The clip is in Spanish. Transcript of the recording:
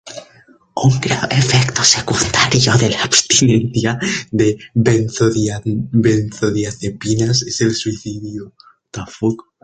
Un grave efecto secundario de la abstinencia de benzodiazepinas es el suicidio.